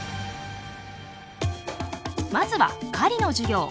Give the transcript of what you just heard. まずは狩りの授業。